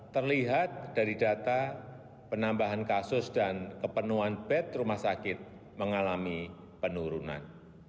terlihat dari data penambahan kasus dan kepenuhan bed rumah sakit mengalami penurunan